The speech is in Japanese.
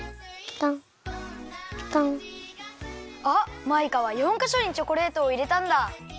あっマイカは４かしょにチョコレートをいれたんだ。